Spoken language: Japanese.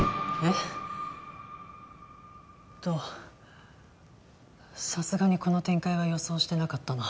っとさすがにこの展開は予想してなかったな。